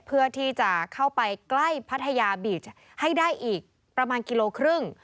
เพื่อที่จะเข้าไปใกล้พัทยาบีชให้ได้อีกประมาณกิโลครึ่ง